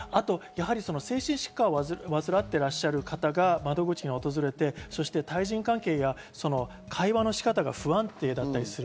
あと精神疾患を患っていらっしゃる方が窓口に訪れて、対人関係や会話の仕方が不安定だったりする。